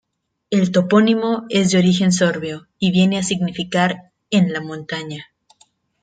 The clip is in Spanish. El topónimo es de origen sorbio y viene a significar "en la montaña".